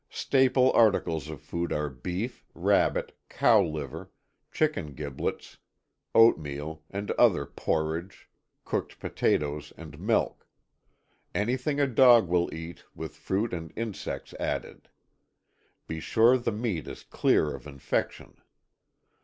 Staple articles of food are beef, rabbit, cow liver, chicken giblets, oatmeal, and other porridge, cooked potatoes and milk; anything a dog will eat with fruit and insects added. Be sure the meat is clear of infection.